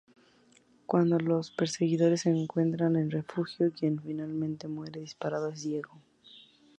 Cuando los perseguidores encuentran el refugio, quien finalmente muere disparado es Diego.